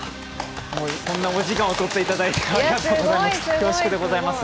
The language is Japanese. こんなお時間を取っていただいてありがとうございます。